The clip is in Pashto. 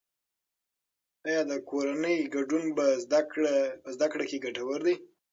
آیا د کورنۍ ګډون په زده کړه کې ګټور دی؟